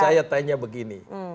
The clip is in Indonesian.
saya tanya begini